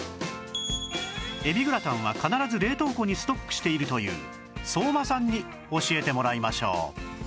えびグラタンは必ず冷凍庫にストックしているという相馬さんに教えてもらいましょう